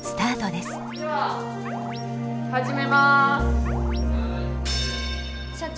では始めます！